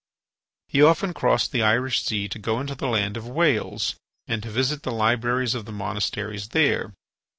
He often crossed the Irish Sea to go into the land of Wales and to visit the libraries of the monasteries there.